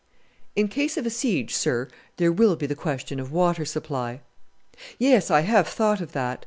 "In case of a siege, sir, there will be the question of water supply." "Yes, I have thought of that.